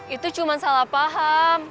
itu cuma salah paham